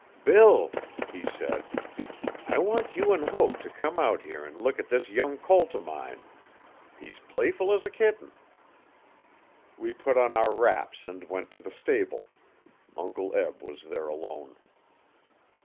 'Bill,' he said, 'I want you 'n Hope if come out here 'n look at this young colt o' mine. He's playful 's a kitten. We put on our wraps and went to the stable. Uncle Eb was there alone.